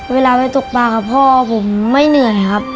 เวลาไปตกปลากับพ่อผมไม่เหนื่อยเลยครับ